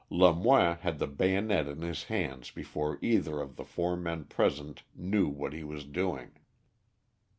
Lemoine had the bayonet in his hands before either of the four men present knew what he was doing.